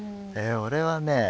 俺はね